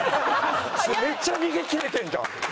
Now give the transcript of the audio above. めっちゃ逃げきれてんじゃん。